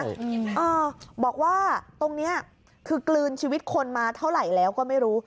ยังไงเออบอกว่าตรงเนี้ยคือกลืนชีวิตคนมาเท่าไหร่แล้วก็ไม่รู้